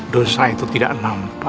dosa itu tidak nampak